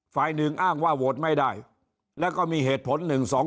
ฝ่ายหนึ่งอ้างว่าโหวตไม่ได้แล้วก็มีเหตุผล๑๒๒